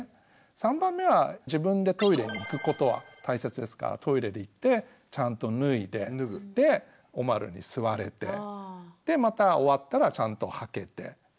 ３番目は自分でトイレに行くことは大切ですからトイレで行ってちゃんと脱いでおまるに座れてでまた終わったらちゃんとはけてで戻ってこれる。